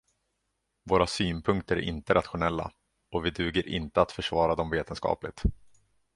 Våra synpunkter är inte rationella, och vi duger inte att försvara dem vetenskapligt.